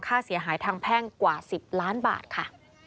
ค่าเสียหายทางแพ่งกว่า๑๐ล้านบาทค่ะ